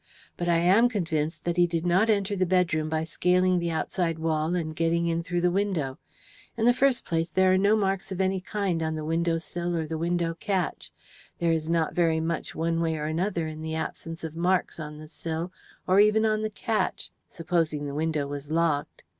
But I am convinced that he did not enter the bedroom by scaling the outside wall and getting in through the window. In the first place, there are no marks of any kind on the window sill or the window catch. There is not very much one way or another in the absence of marks on the sill or even on the catch, supposing the window was locked.